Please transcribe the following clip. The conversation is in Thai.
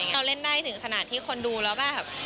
เราเล่นได้ถึงขนาดที่คนดูแล้วแบบ